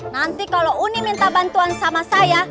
nanti kalau uni minta bantuan sama saya